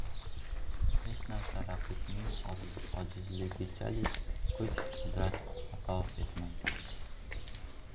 — Hech narsa raqibning ojizligichalik kuch-qudrat ato etmaydi.